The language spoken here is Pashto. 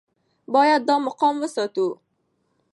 باید دا مقام وساتو.